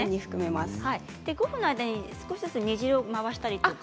５分の間で少しずつ煮汁を回したりとか。